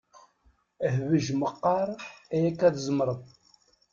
Hbej meqqar ayakka tzemret.